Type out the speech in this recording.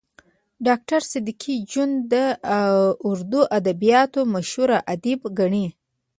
ډاکټر صدیقي جون د اردو ادبياتو مشهور ادیب ګڼي